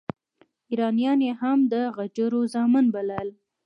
ایرانیان یې هم د غجرو زامن بلل.